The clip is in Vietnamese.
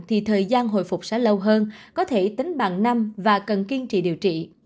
thì thời gian hồi phục sẽ lâu hơn có thể tính bằng năm và cần kiên trì điều trị